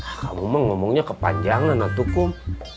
kamu memang ngomongnya kepanjangan tukum